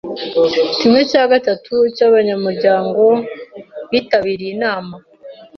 Kimwe cya gatatu cyabanyamuryango bitabiriye inama.